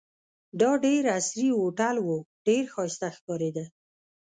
دا ډېر عصري هوټل وو، ډېر ښایسته ښکارېده.